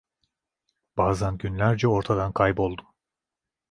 Bazan günlerce ortadan kayboldum.